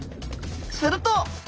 すると。